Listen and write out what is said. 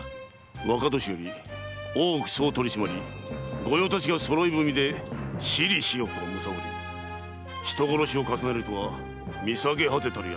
若年寄大奥総取締御用達がそろい踏みで私利私欲を貪り人殺しを重ねるとは見下げ果てたる奴！